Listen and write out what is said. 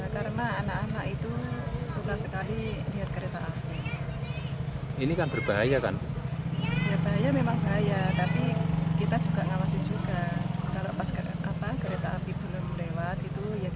karena anak anak itu suka sekali